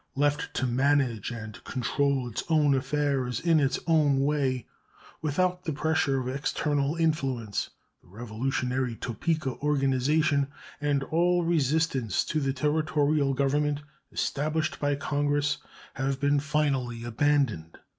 Left to manage and control its own affairs in its own way, without the pressure of external influence, the revolutionary Topeka organization and all resistance to the Territorial government established by Congress have been finally abandoned.